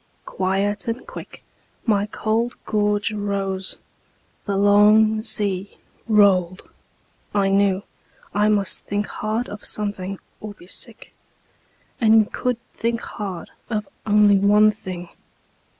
Quiet and quick My cold gorge rose; the long sea rolled; I knew I must think hard of something, or be sick; And could think hard of only one thing YOU!